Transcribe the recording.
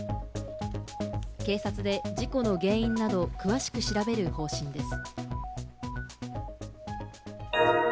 警察で事故の原因などを詳しく調べる方針です。